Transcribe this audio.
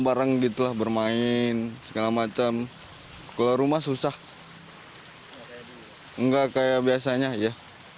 bareng gitulah bermain segala macam kalau rumah susah nggak kayak biasanya ya